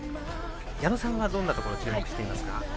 矢野さんは、どんなところ注目していますか？